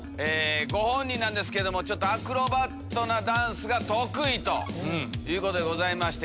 ご本人なんですけどもアクロバットなダンスが得意ということでございまして。